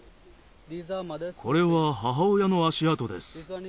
これは母親の足跡です。